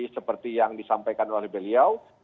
seperti yang disampaikan oleh beliau